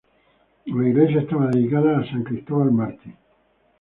La iglesia está dedicada a san Cristóbal Mártir.